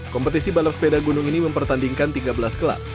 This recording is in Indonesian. kompetisi balap sepeda gunung ini mempertandingkan tiga belas kelas